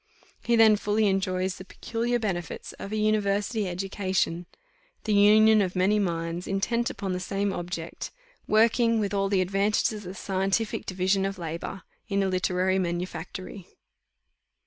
He then fully enjoys the peculiar benefits of a university education, the union of many minds intent upon the same object, working, with all the advantages of the scientific division of labour, in a literary manufactory.